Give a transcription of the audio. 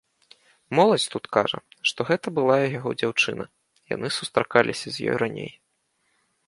Моладзь тут кажа, што гэта былая яго дзяўчына, яны сустракаліся з ёй раней.